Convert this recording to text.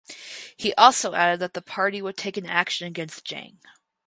He also added that the party would take an action against Jang.